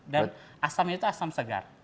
dan asamnya itu asam segar